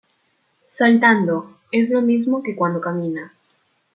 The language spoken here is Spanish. Saltando: Es lo mismo que cuando camina.